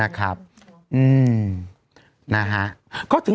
ถูกต้องถูกต้องถูกต้อง